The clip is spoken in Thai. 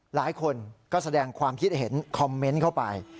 หลายคนก็แสดงความคิดเห็นคอมเมนต์เข้าไป